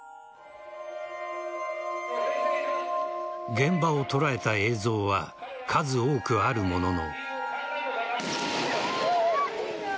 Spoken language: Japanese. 現場を捉えた映像は数多くあるものの。